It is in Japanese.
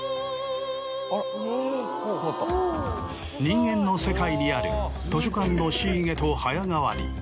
人間の世界にある図書館のシーンへと早変わり。